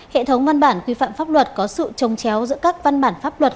hệ thống văn bản quy phạm pháp luật có sự trông chéo giữa các văn bản pháp luật